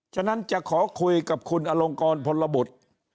ฉะนั้นจะขอคุยกับคุณอลงกรพลบุตร